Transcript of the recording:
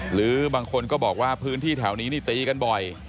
หรือบางคนก็บอกว่าพื้นที่แถวนี้นี่ตีกันบ่อย